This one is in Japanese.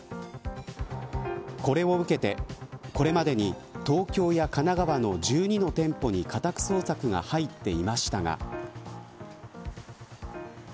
これを受けてこれまでに、東京や神奈川の１２の店舗に家宅捜索が入っていましたが。